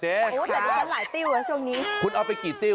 แต่ดูฉันหลายติวอะช่วงนี้